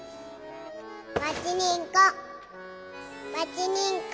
はちにんこ。